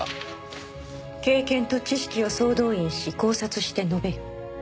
「経験と知識を総動員し考察して述べよ」